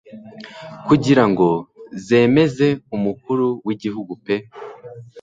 kugira ngo zemeze umukuru w'igihugu pe